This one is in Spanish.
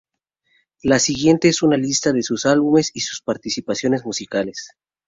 La siguiente es una lista de sus álbumes y participaciones musicales.